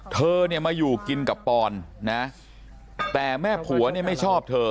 เธอเนี่ยมาอยู่กินกับปอนนะแต่แม่ผัวเนี่ยไม่ชอบเธอ